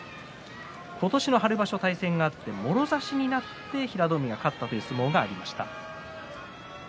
今年は春場所、対戦があってもろ差しになって平戸海が勝った相撲がありました。